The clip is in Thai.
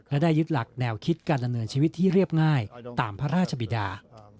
และได้ยึดหลักแนวคิดการดำเนินชีวิตที่เรียบง่ายตามพระราชบิดา